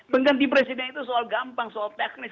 pengganti presiden itu soal gampang soal teknis